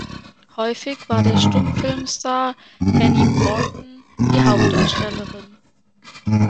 Häufig war der Stummfilmstar Henny Porten die Hauptdarstellerin.